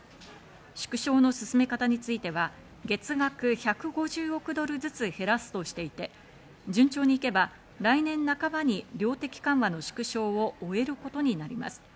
縮小の進め方については月額１５０億ドルずつ減らすとしていて、順調にいけば来年半ばに量的緩和の縮小を終えることになります。